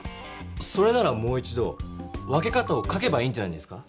それならもう一度分け方を書けばいいんじゃないですか？